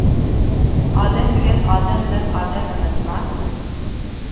ئادەم دېگەن ئادەم بىلەن ئادەم ئەمەسما.